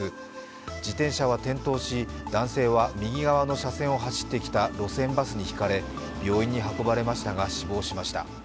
自転車は転倒し、男性は右側の車線を走ってきた路線バスにひかれ、病院に運ばれましたが死亡しました。